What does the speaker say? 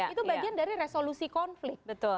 itu bagian dari resolusi konflik